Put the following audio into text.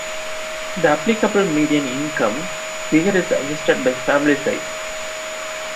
The applicable median income figure is adjusted by family size.